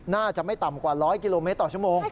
น่าจะไม่ต่ำกว่า๑๐๐กิโลเมตรต่อชั่วโมง